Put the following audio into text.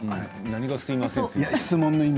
何がすみません？